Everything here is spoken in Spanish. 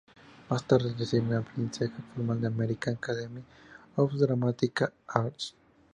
Más tarde recibiría un aprendizaje formal en la American Academy of Dramatic Arts.